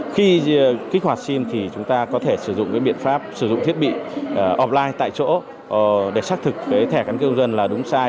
khi kích hoạt sim thì chúng ta có thể sử dụng cái biện pháp sử dụng thiết bị offline tại chỗ để xác thực cái thẻ căn cước công dân là đúng sai